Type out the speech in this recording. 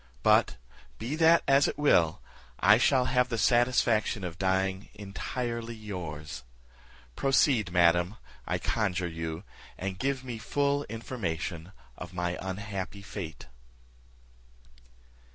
But, be that as it will, I shall have the satisfaction of dying entirely yours. Proceed, madam, I conjure you, and give me full information of my unhappy fate."